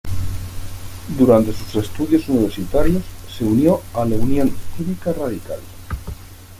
Durante sus estudios universitarios se unió a la Unión Cívica Radical.